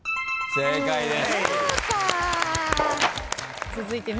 正解です。